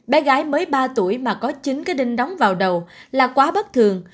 bé gái mới ba tuổi mà có chín cái đinh đóng vào đầu là quá bất thường